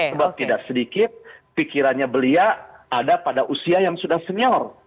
sebab tidak sedikit pikirannya beliau ada pada usia yang sudah senior